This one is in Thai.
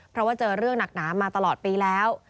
เพราะว่าเจอเรื่องหนักหนามาตลอดปีแล้ว